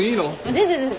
全然全然。